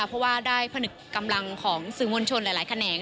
เพราะว่าได้ผนึกกำลังของสื่อมวลชนหลายแขนง